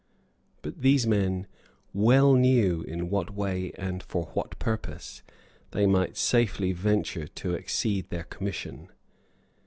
But these men well knew in what way and for what purpose they might safely venture to exceed their commission.